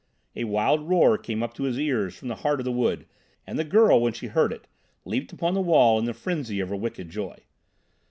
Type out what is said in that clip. A wild roar came up to his ears from the heart of the wood, and the girl, when she heard it, leaped upon the wall in the frenzy of her wicked joy.